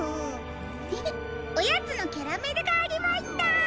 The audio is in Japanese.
フフおやつのキャラメルがありました！